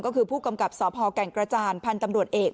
ก็คือผู้กำกับสพแก่งกระจานพันธุ์ตำรวจเอก